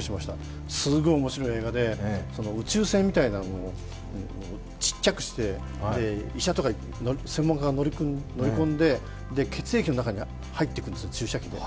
すごい面白い映画で宇宙船みたいなのをちっちゃくして、医者とか専門家が乗り込んで、血液の中に入っていくんですよ、注射器で。